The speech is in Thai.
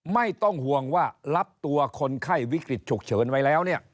ไม่ต้องห่วงว่ารับตัวคนไข้วิกฤตฉุกเฉินไว้แล้วเนี่ย